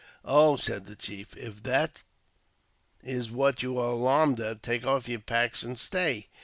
" Oh,'' said the chief, if that is what you are alarmed at, take off your packs and stay.